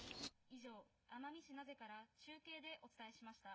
以上、奄美市名瀬から中継でお伝えしました。